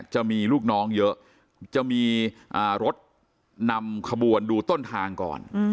จะมีลูกน้องเยอะจะมีรถนำขบวนดูต้นทางก่อน